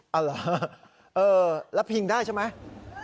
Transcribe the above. อ๋อเหรอแล้วพิงได้ใช่ไหม